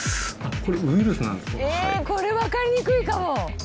これ分かりにくいかも。